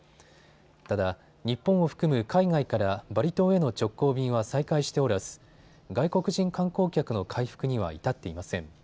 ただ日本を含む海外からバリ島への直行便は再開しておらず外国人観光客の回復には至っていません。